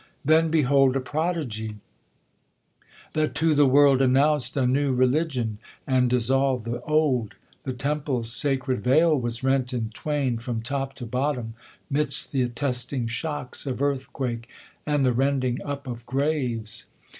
Then bekold A prodi^ THE COLUMBIAN ORATOR. . 75. A prodigy, that to tlic world announc'd A new religion and dissolv'd the old : The temple's sacred vail was rent in twain From top to bottom, 'midst th' attestini^ shocks Of earthquake and the rending up of graves.